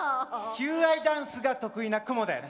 求愛ダンスが得意なクモだよね！